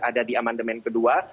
ada di amandemen kedua